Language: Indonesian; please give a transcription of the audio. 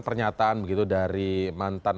pernyataan begitu dari mantan